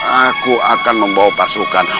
aku akan membawa pasukan